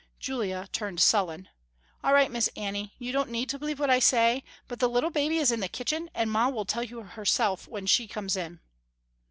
Julia turned sullen. "All right Miss Annie, you don't need to believe what I say, but the little baby is in the kitchen and ma will tell you herself when she comes in."